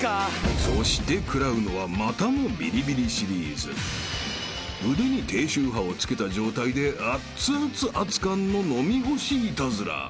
［そして食らうのはまたもビリビリシリーズ］［腕に低周波をつけた状態であっつあつ熱燗の飲み干しイタズラ］